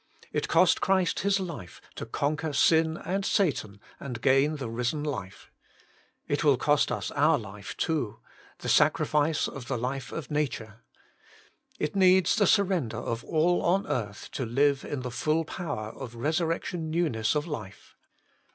It cost Christ His life to conquer sin and Satan and gain the risen life. It will cost us our life, too — the sacrifice of the life of nature. It needs the surrender of all on earth to live in the full power of resurrec tion newness of life.